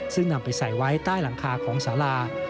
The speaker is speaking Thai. ซึ่งนำไปใส่ไว้ใต้หลังคาของสารา